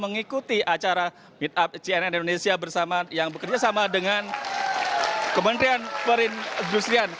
mengikuti acara meetup cnn indonesia yang bekerjasama dengan kementerian perindustrian